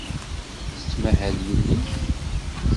Tettmahal yelli-k?